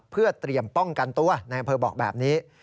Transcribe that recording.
เพื่อเตรียมป้องกันตัวนายอำเภอบอกแบบนี้